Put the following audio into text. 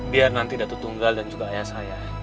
biar nanti datu tunggal dan juga ayah saya